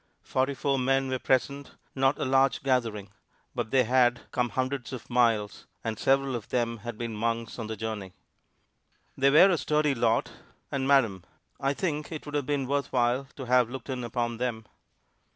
Forty four men were present not a large gathering, but they had come hundreds of miles, and several of them had been months on the journey. They were a sturdy lot; and madam! I think it would have been worth while to have looked in upon them.